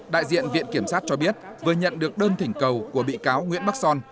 đại diện viện kiểm sát cho biết vừa nhận được đơn thỉnh cầu của bị cáo nguyễn bắc son